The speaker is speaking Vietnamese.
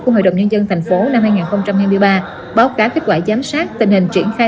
của hội đồng nhân dân tp năm hai nghìn hai mươi ba báo cáo kết quả giám sát tình hình triển khai